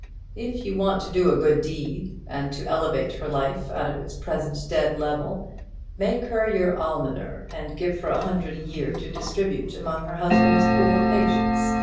If you want to do a good deed, and to elevate her life out of its present dead level, make her your almoner, and give her a hundred a year to distribute among her husband's poor patients.